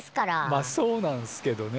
まあそうなんすけどね。